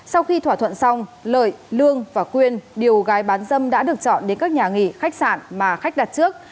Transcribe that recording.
sau khi thỏa thuận xong lợi lương và quyên điều gái bán dâm đã được chọn đến các nhà nghỉ khách sạn mà khách đặt trước